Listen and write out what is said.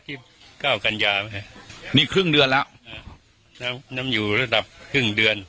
ที่เก้ากันยาไหมนี่ครึ่งเดือนแล้วอ่าแล้วน้ำอยู่ระดับครึ่งเดือน